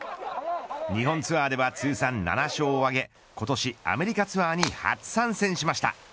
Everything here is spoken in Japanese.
日本ツアーでは通算７勝を挙げ今年アメリカツアーに初参戦しました。